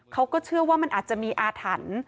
เขาก็เชื่อว่ามันอาจจะมีอาถรรพ์